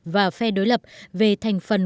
và phe đối lập về thành phần